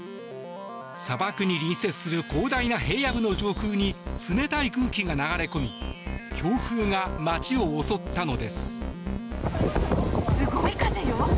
砂漠に隣接する広大な平野部の上空に冷たい空気が流れ込み強風が街を襲ったのです。